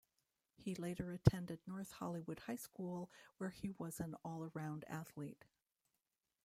He later attended North Hollywood High School where he was an all-around athlete.